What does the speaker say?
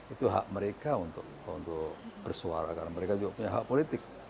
itu hak mereka untuk bersuara karena mereka juga punya hak politik